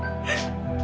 dia sudah berakhir